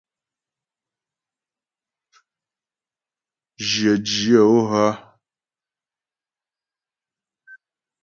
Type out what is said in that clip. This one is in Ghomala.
Jyə dyə̌ o hə́ ?